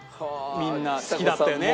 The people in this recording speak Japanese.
みんな好きだったよね。